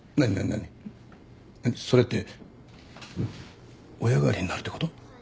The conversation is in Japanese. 何それって親代わりになるってこと？